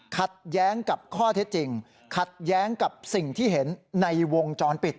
ขัดแย้งกับข้อเท็จจริงขัดแย้งกับสิ่งที่เห็นในวงจรปิด